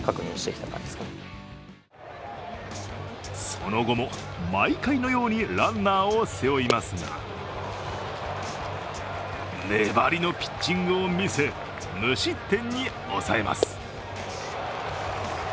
その後も毎回のようにランナーを背負いますが粘りのピッチングを見せ無失点に抑えます。